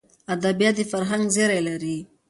ادبیات د فرهنګ زېری لري.